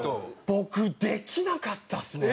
僕できなかったですね。